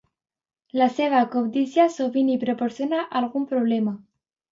La seva cobdícia sovint li proporciona algun problema.